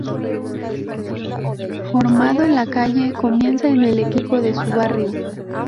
Formado en la calle, comienza en el equipo de su barrio.